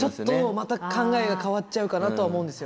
また考えが変わっちゃうかなとは思うんですよ。